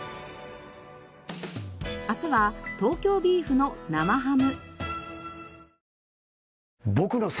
明日は東京ビーフの生ハム。